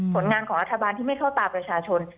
ผลงานของรัฐบาลที่ไม่เข้าตาประชาชน